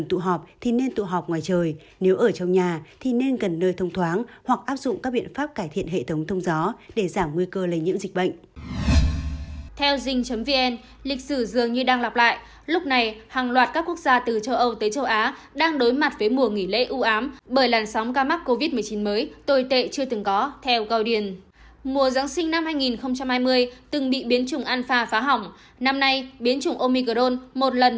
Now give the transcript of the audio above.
trong trường hợp cần tụ họp thì nên tụ họp ngoài trời nếu ở trong nhà thì nên gần nơi thông tin